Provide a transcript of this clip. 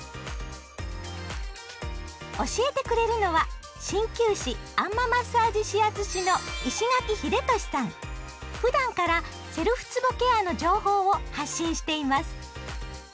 教えてくれるのは鍼灸師あん摩マッサージ指圧師のふだんからセルフつぼケアの情報を発信しています。